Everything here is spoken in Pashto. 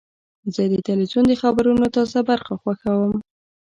زه د تلویزیون د خبرونو تازه برخه خوښوم.